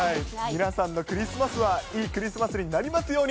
皆さんのクリスマスはいいクリスマスになりますように。